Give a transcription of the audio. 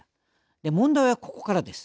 で、問題はここからです。